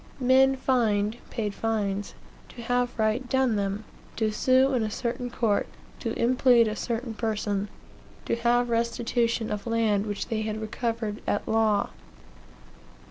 Men fined (paid fines) to have right done them; to sue in a certain court; to implead a certain person; to have restitution of land which they had recovered at law.